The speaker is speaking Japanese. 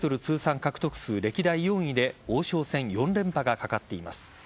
通算獲得数歴代４位で王将戦４連覇がかかっています。